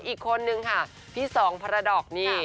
อีกคนนึงค่ะพี่สองพระดอกนี่